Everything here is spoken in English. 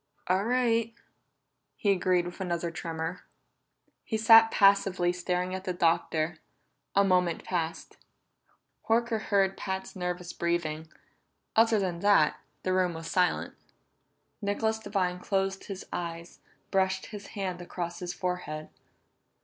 "All right," he agreed with another tremor. He sat passively staring at the Doctor; a moment passed. Horker heard Pat's nervous breathing; other than that, the room was in silence. Nicholas Devine closed his eyes, brushed his hand across his forehead.